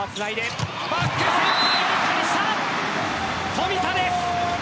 富田です。